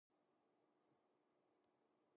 いつも快晴だった。